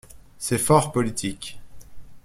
C'est fort politique.